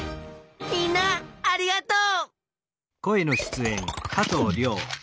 みんなありがとう！